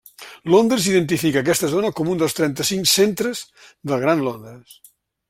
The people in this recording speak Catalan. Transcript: Londres identifica aquesta zona com un dels trenta-cinc centres del Gran Londres.